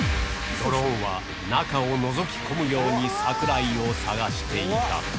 ドローンは中をのぞき込むように櫻井を探していた。